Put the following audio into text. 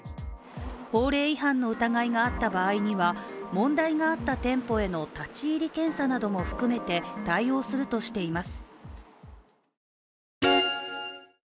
法令違反の疑いがあった場合には問題があった店舗への立ち入り検査なども含めて対応するとしています。